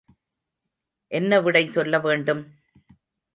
என்ன விடை சொல்லவேண்டும்?